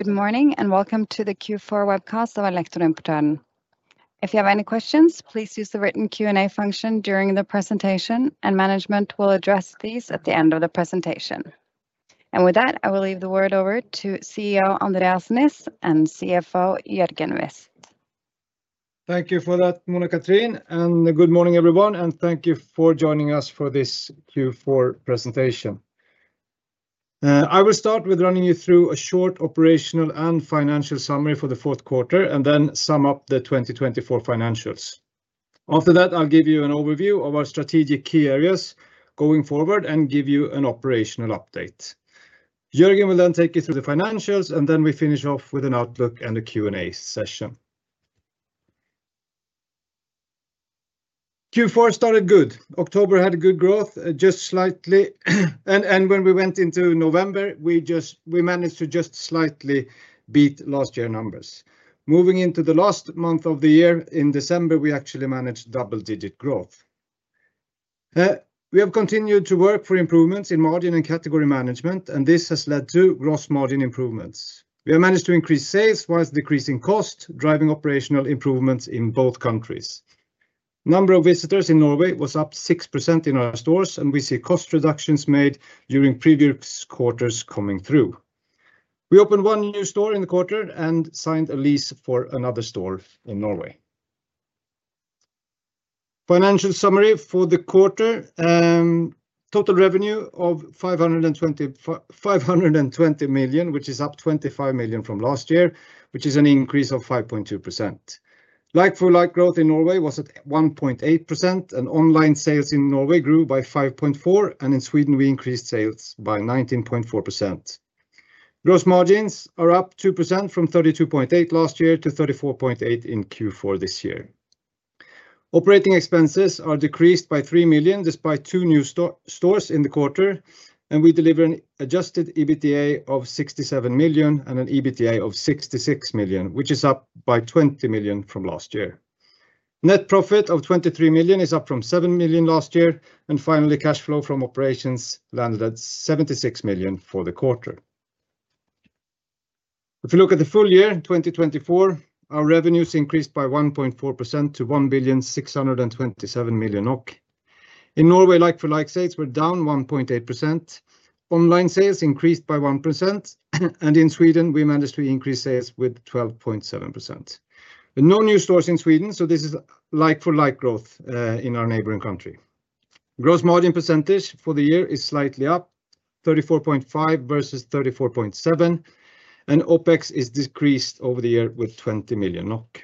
Good morning and welcome to the Q4 Webcast of Elektroimportøren. If you have any questions, please use the written Q&A function during the presentation, and management will address these at the end of the presentation. I will leave the word over to CEO Andreas Niss and CFO Jørgen Wist. Thank you for that, Mona-Cathrin, and good morning everyone, and thank you for joining us for this Q4 presentation. I will start with running you through a short operational and financial summary for the fourth quarter, and then sum up the 2024 financials. After that, I'll give you an overview of our strategic key areas going forward and give you an operational update. Jørgen will then take you through the financials, and then we finish off with an outlook and a Q&A session. Q4 started good. October had good growth, just slightly. When we went into November, we managed to just slightly beat last year's numbers. Moving into the last month of the year, in December, we actually managed double-digit growth. We have continued to work for improvements in margin and category management, and this has led to gross margin improvements. We have managed to increase sales while decreasing costs, driving operational improvements in both countries. The number of visitors in Norway was up 6% in our stores, and we see cost reductions made during previous quarters coming through. We opened one new store in the quarter and signed a lease for another store in Norway. Financial summary for the quarter: total revenue of 520 million, which is up 25 million from last year, which is an increase of 5.2%. Like-for-like growth in Norway was at 1.8%, and online sales in Norway grew by 5.4%, and in Sweden we increased sales by 19.4%. Gross margins are up 2 percentage points from 32.8% last year to 34.8% in Q4 this year. Operating expenses are decreased by 3 million despite two new stores in the quarter, and we deliver an adjusted EBITDA of 67 million and an EBITDA of 66 million, which is up by 20 million from last year. Net profit of 23 million is up from 7 million last year, and finally, cash flow from operations landed at 76 million for the quarter. If we look at the full year 2024, our revenues increased by 1.4% to 1,627,000,000. In Norway, like-for-like sales were down 1.8%, online sales increased by 1%, and in Sweden we managed to increase sales with 12.7%. No new stores in Sweden, so this is like-for-like growth in our neighboring country. Gross margin percentage for the year is slightly up, 34.5% versus 34.7%, and OpEx is decreased over the year with 20 million NOK.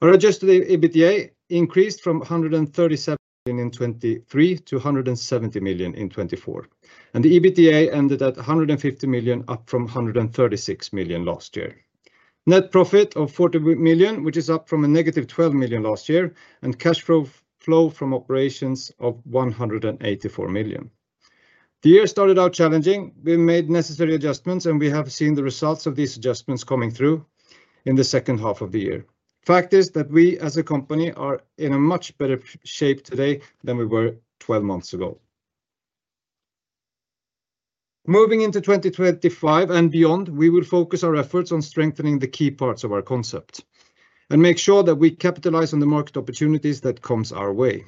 Our adjusted EBITDA increased from 137 million in 2023 to 170 million in 2024, and the EBITDA ended at 150 million, up from 136 million last year. Net profit of 40 million, which is up from a negative 12 million last year, and cash flow from operations of 184 million. The year started out challenging. We made necessary adjustments, and we have seen the results of these adjustments coming through in the second half of the year. Fact is that we, as a company, are in a much better shape today than we were 12 months ago. Moving into 2025 and beyond, we will focus our efforts on strengthening the key parts of our concept and make sure that we capitalize on the market opportunities that come our way.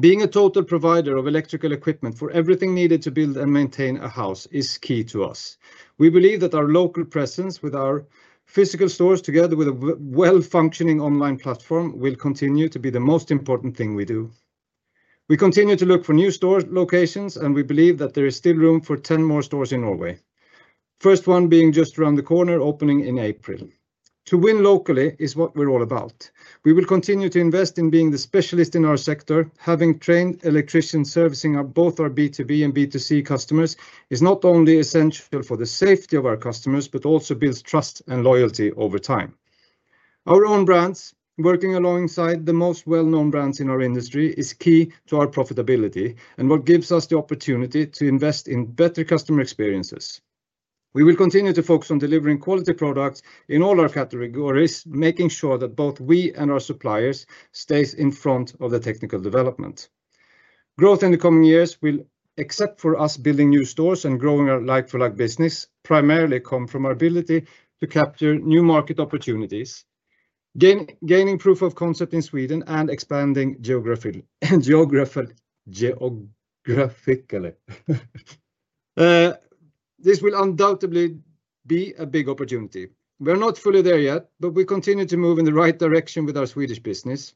Being a total provider of electrical equipment for everything needed to build and maintain a house is key to us. We believe that our local presence with our physical stores together with a well-functioning online platform will continue to be the most important thing we do. We continue to look for new store locations, and we believe that there is still room for 10 more stores in Norway, the first one being just around the corner, opening in April. To win locally is what we're all about. We will continue to invest in being the specialist in our sector. Having trained electricians servicing both our B2B and B2C customers is not only essential for the safety of our customers but also builds trust and loyalty over time. Our own brands, working alongside the most well-known brands in our industry, are key to our profitability and what gives us the opportunity to invest in better customer experiences. We will continue to focus on delivering quality products in all our categories, making sure that both we and our suppliers stay in front of the technical development. Growth in the coming years will, except for us building new stores and growing our like-for-like business, primarily come from our ability to capture new market opportunities, gaining proof of concept in Sweden and expanding geographically. This will undoubtedly be a big opportunity. We are not fully there yet, but we continue to move in the right direction with our Swedish business.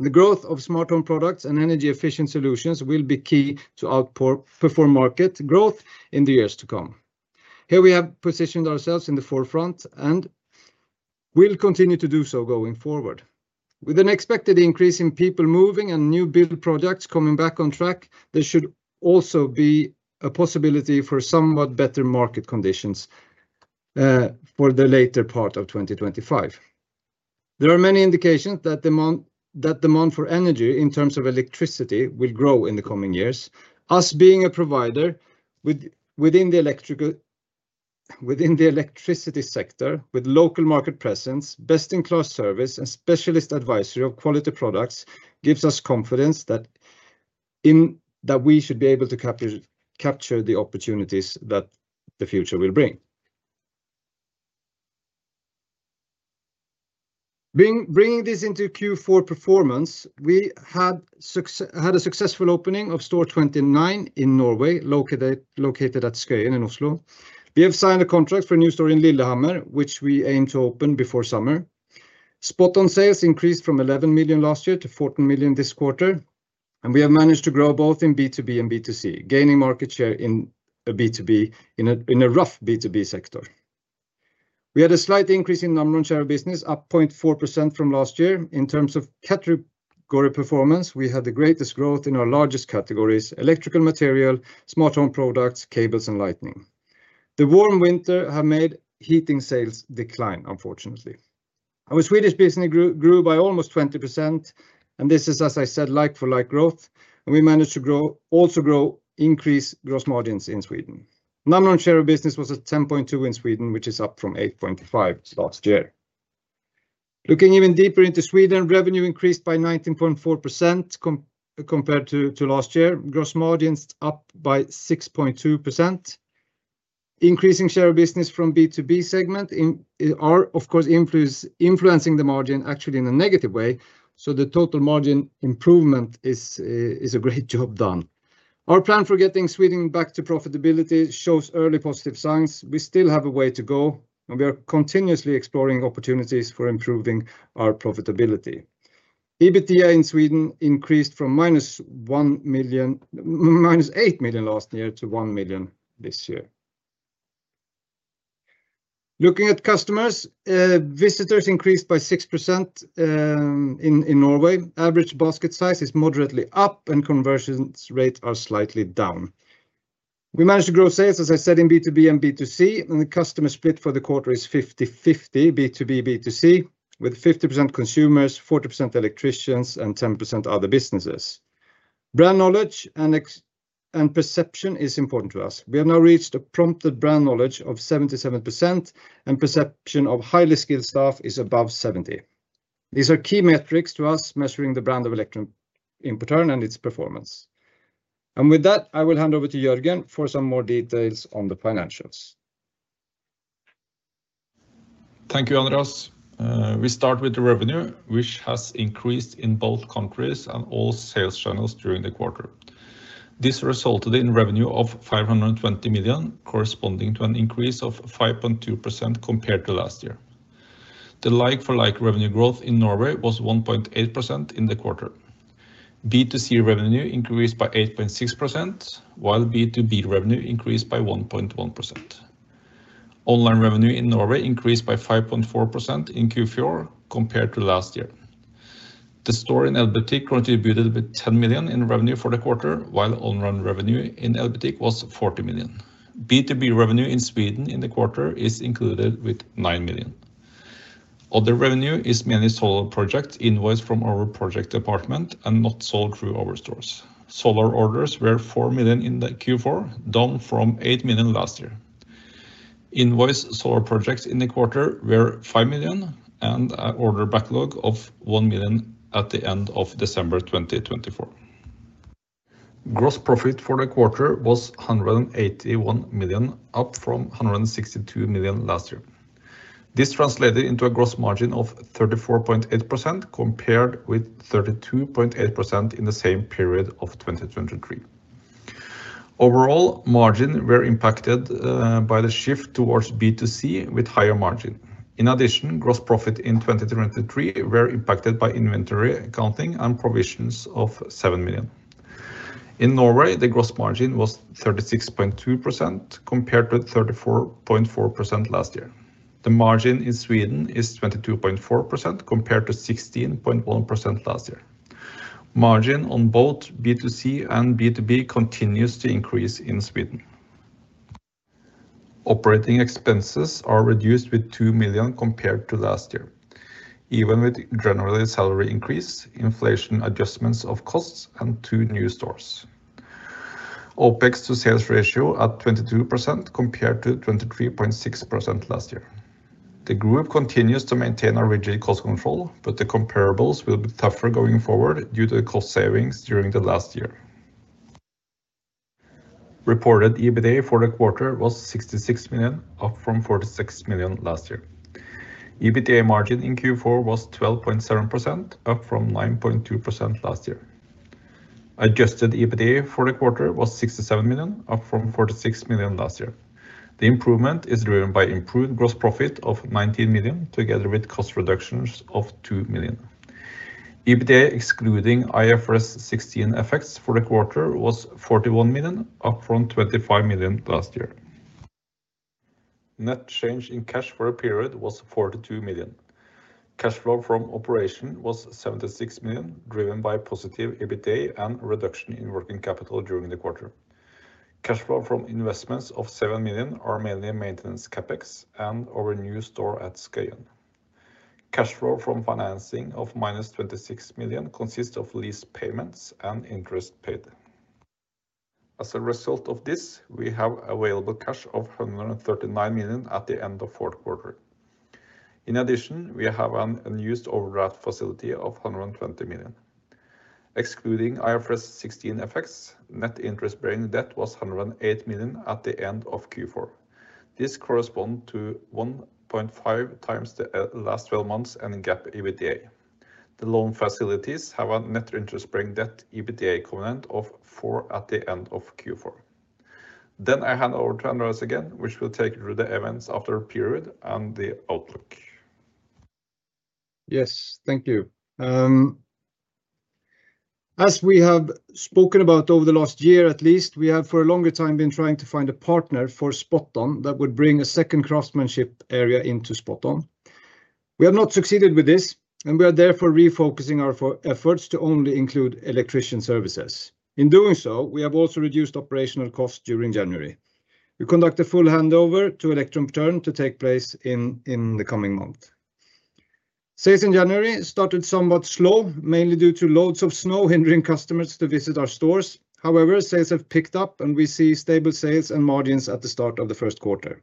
The growth of smart home products and energy-efficient solutions will be key to outperform market growth in the years to come. Here we have positioned ourselves in the forefront, and we'll continue to do so going forward. With an expected increase in people moving and new build products coming back on track, there should also be a possibility for somewhat better market conditions for the later part of 2025. There are many indications that demand for energy in terms of electricity will grow in the coming years. Us being a provider within the electricity sector with local market presence, best-in-class service, and specialist advisory of quality products gives us confidence that we should be able to capture the opportunities that the future will bring. Bringing this into Q4 performance, we had a successful opening of store 29 in Norway, located at Skøyen in Oslo. We have signed a contract for a new store in Lillehammer, which we aim to open before summer. SpotOn sales increased from 11 million last year to 14 million this quarter, and we have managed to grow both in B2B and B2C, gaining market share in a rough B2B sector. We had a slight increase in number and share of business, up 0.4% from last year. In terms of category performance, we had the greatest growth in our largest categories: electrical material, smart home products, cables, and lighting. The warm winter has made heating sales decline, unfortunately. Our Swedish business grew by almost 20%, and this is, as I said, like-for-like growth, and we managed to also increase gross margins in Sweden. Number and share of business was at 10.2% in Sweden, which is up from 8.5% last year. Looking even deeper into Sweden, revenue increased by 19.4% compared to last year. Gross margins up by 6.2%. Increasing share of business from B2B segment are, of course, influencing the margin actually in a negative way, so the total margin improvement is a great job done. Our plan for getting Sweden back to profitability shows early positive signs. We still have a way to go, and we are continuously exploring opportunities for improving our profitability. EBITDA in Sweden increased from -8 million last year to 1 million this year. Looking at customers, visitors increased by 6% in Norway. Average basket size is moderately up, and conversion rates are slightly down. We managed to grow sales, as I said, in B2B and B2C, and the customer split for the quarter is 50-50, B2B, B2C, with 50% consumers, 40% electricians, and 10% other businesses. Brand knowledge and perception are important to us. We have now reached a prompted brand knowledge of 77%, and perception of highly skilled staff is above 70%. These are key metrics to us measuring the brand of Elektroimportøren and its performance. With that, I will hand over to Jørgen for some more details on the financials. Thank you, Andreas. We start with the revenue, which has increased in both countries and all sales channels during the quarter. This resulted in revenue of 520 million, corresponding to an increase of 5.2% compared to last year. The like-for-like revenue growth in Norway was 1.8% in the quarter. B2C revenue increased by 8.6%, while B2B revenue increased by 1.1%. Online revenue in Norway increased by 5.4% in Q4 compared to last year. The store in Elektroimportøren contributed with 10 million in revenue for the quarter, while online revenue in Elektroimportøren was 40 million. B2B revenue in Sweden in the quarter is included with 9 million. Other revenue is many solar project invoices from our project department and not sold through our stores. Solar orders were 4 million in Q4, down from 8 million last year. Invoices for projects in the quarter were 5 million, and an order backlog of 1 million at the end of December 2024. Gross profit for the quarter was 181 million, up from 162 million last year. This translated into a gross margin of 34.8% compared with 32.8% in the same period of 2023. Overall, margins were impacted by the shift towards B2C with higher margin. In addition, gross profit in 2023 was impacted by inventory accounting and provisions of 7 million. In Norway, the gross margin was 36.2% compared with 34.4% last year. The margin in Sweden is 22.4% compared to 16.1% last year. Margin on both B2C and B2B continues to increase in Sweden. Operating expenses are reduced with 2 million compared to last year, even with a general salary increase, inflation adjustments of costs, and two new stores. OpEx to sales ratio is at 22% compared to 23.6% last year. The group continues to maintain a rigid cost control, but the comparables will be tougher going forward due to the cost savings during the last year. Reported EBITDA for the quarter was 66 million, up from 46 million last year. EBITDA margin in Q4 was 12.7%, up from 9.2% last year. Adjusted EBITDA for the quarter was 67 million, up from 46 million last year. The improvement is driven by improved gross profit of 19 million together with cost reductions of 2 million. EBITDA excluding IFRS 16 effects for the quarter was 41 million, up from 25 million last year. Net change in cash for a period was 42 million. Cash flow from operations was 76 million, driven by positive EBITDA and reduction in working capital during the quarter. Cash flow from investments of 7 million are mainly maintenance CapEx and our new store at Skøyen. Cash flow from financing of minus 26 million consists of lease payments and interest paid. As a result of this, we have available cash of 139 million at the end of the fourth quarter. In addition, we have an unused overdraft facility of 120 million. Excluding IFRS 16 effects, net interest-bearing debt was 108 million at the end of Q4. This corresponds to 1.5x the last 12 months NGAAP EBITDA. The loan facilities have a net interest-bearing debt EBITDA component of 4x at the end of Q4. I hand over to Andreas again, who will take you through the events after the period and the outlook. Yes, thank you. As we have spoken about over the last year at least, we have for a longer time been trying to find a partner for SpotOn that would bring a second craftsmanship area into SpotOn. We have not succeeded with this, and we are therefore refocusing our efforts to only include electrician services. In doing so, we have also reduced operational costs during January. We conduct a full handover to Elektroimportøren to take place in the coming month. Sales in January started somewhat slow, mainly due to loads of snow hindering customers to visit our stores. However, sales have picked up, and we see stable sales and margins at the start of the first quarter.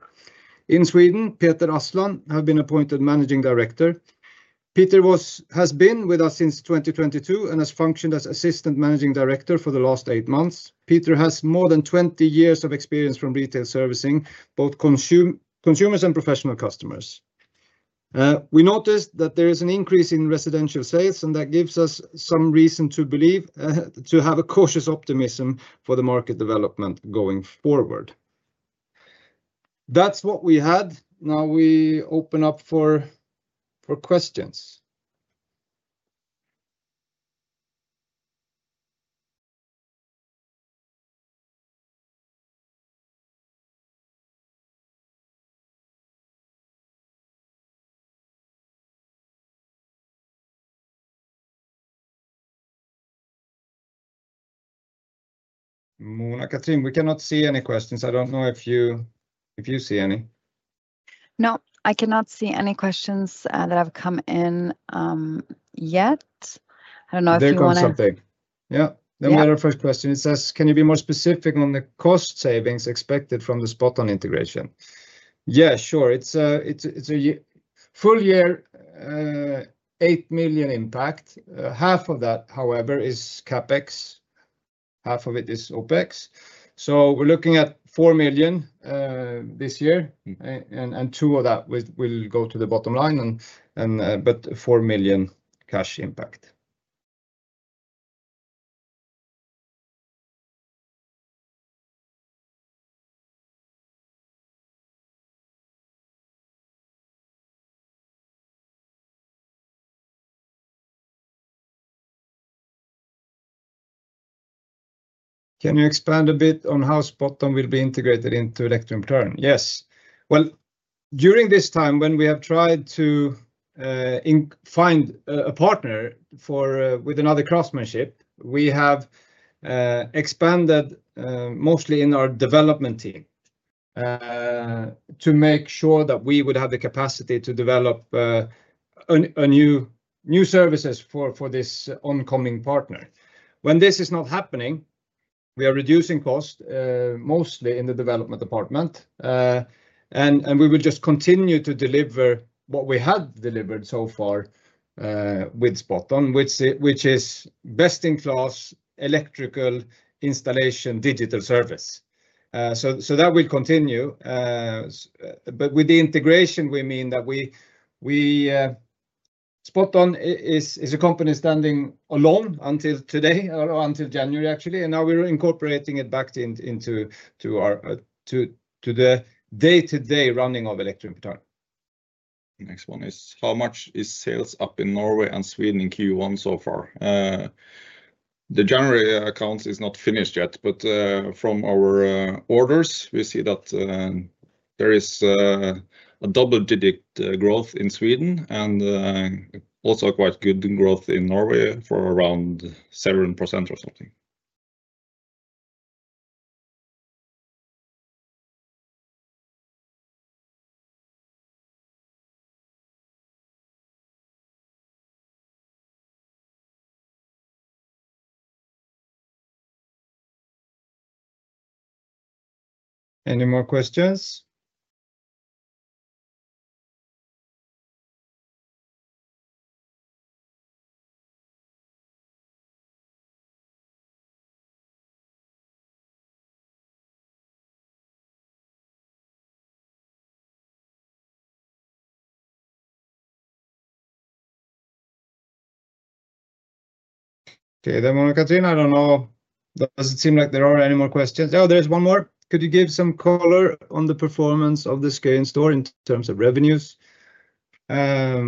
In Sweden, Peter Asplund has been appointed Managing Director. Peter has been with us since 2022 and has functioned as Assistant Managing Director for the last eight months. Peter has more than 20 years of experience from retail servicing both consumers and professional customers. We noticed that there is an increase in residential sales, and that gives us some reason to have a cautious optimism for the market development going forward. That's what we had. Now we open up for questions. Mona-Cathrin, we cannot see any questions. I don't know if you see any. No, I cannot see any questions that have come in yet. I don't know if you want to. They can do something. Yeah, let me add a first question. It says, "Can you be more specific on the cost savings expected from the SpotOn integration?" Yeah, sure. It's a full-year 8 million impact. Half of that, however, is CapEx. Half of it is OpEx. So we're looking at 4 million this year, and two of that will go to the bottom line, but 4 million cash impact. Can you expand a bit on how SpotOn will be integrated into Elektroimportøren? Yes. During this time, when we have tried to find a partner with another craftsmanship, we have expanded mostly in our development team to make sure that we would have the capacity to develop new services for this oncoming partner. When this is not happening, we are reducing costs mostly in the development department, and we will just continue to deliver what we have delivered so far with SpotOn, which is best-in-class electrical installation digital service. That will continue, but with the integration, we mean that SpotOn is a company standing alone until today, or until January, actually, and now we're incorporating it back into the day-to-day running of Elektroimportøren. Next one is, how much is sales up in Norway and Sweden in Q1 so far? The January account is not finished yet, but from our orders, we see that there is a double-digit growth in Sweden and also quite good growth in Norway for around 7% or something. Any more questions? Okay, then Mona-Cathrin, I don't know. Does it seem like there are any more questions? Oh, there's one more. Could you give some color on the performance of the Skøyen store in terms of revenues? I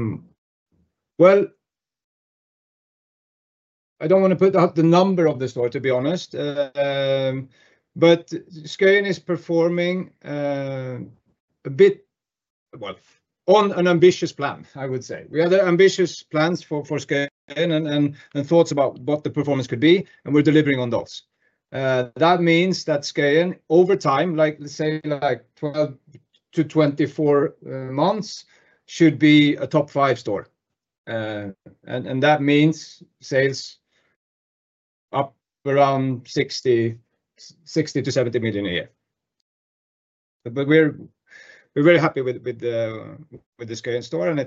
don't want to put out the number of the store, to be honest, but Skøyen is performing a bit well on an ambitious plan, I would say. We had ambitious plans for Skøyen and thoughts about what the performance could be, and we're delivering on those. That means that Skøyen, over time, like say 12-24 months, should be a top five store, and that means sales up around 60 million-70 million a year. We are very happy with the Skøyen store, and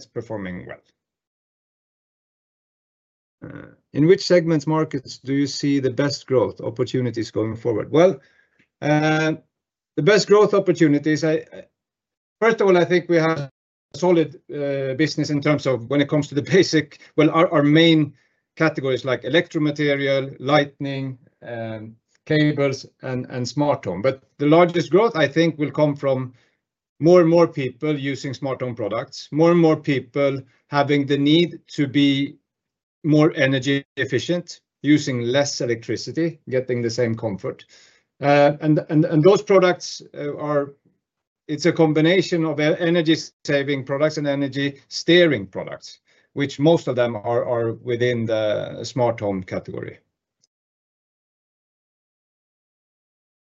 it's performing well. In which segments or markets do you see the best growth opportunities going forward? The best growth opportunities, first of all, I think we have solid business in terms of when it comes to the basic, our main categories like electrical material, lighting, cables, and smart home. The largest growth, I think, will come from more and more people using smart home products, more and more people having the need to be more energy efficient, using less electricity, getting the same comfort. Those products, it's a combination of energy-saving products and energy-steering products, which most of them are within the smart home category.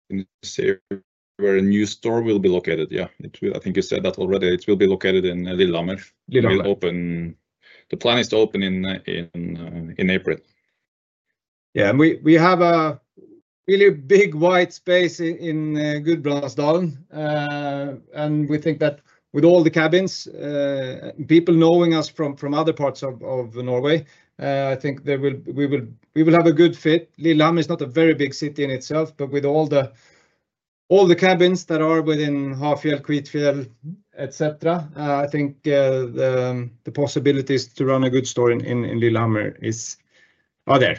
In the same way, where a new store will be located, yeah, I think you said that already, it will be located in Lillehammer. The plan is to open in April. Yeah, and we have a really big white space in Gudbrandsdalen, and we think that with all the cabins, people knowing us from other parts of Norway, I think we will have a good fit. Lillehammer is not a very big city in itself, but with all the cabins that are within Hafjell, Kvitfjell, etc., I think the possibilities to run a good store in Lillehammer are there.